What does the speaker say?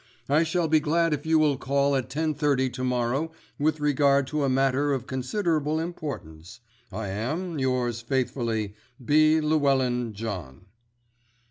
I shall be glad if you will call here at 10.30 to morrow with regard to a matter of considerable importance. I am, Yours faithfully, B. LLEWELLYN JOHN.